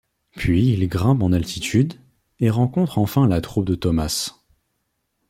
Puis ils grimpent en altitude, et rencontrent enfin la troupe de Tomas.